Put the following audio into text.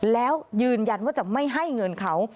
แล้วยืนยันว่าจะไม่ให้เงินเขา